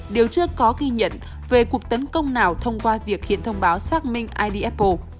điều chưa có ghi nhận về cuộc tấn công nào thông qua việc khiến thông báo xác minh id apple